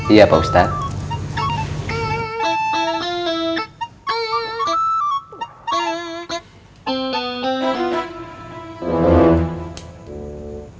iya pak ustaz